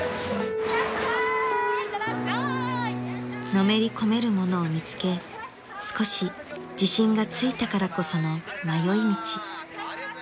［のめり込めるものを見つけ少し自信がついたからこその迷い道］